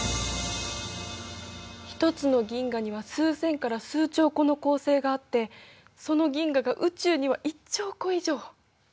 １つの銀河には数千から数兆個の恒星があってその銀河が宇宙には１兆個以上！